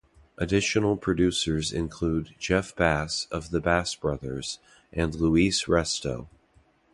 Additional producers include Jeff Bass of the Bass Brothers, and Luis Resto.